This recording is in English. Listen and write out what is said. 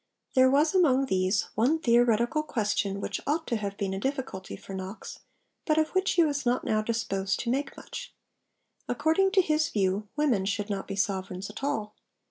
There was among these one theoretical question which ought to have been a difficulty for Knox, but of which he was not now disposed to make much. According to his view women should not be sovereigns at all.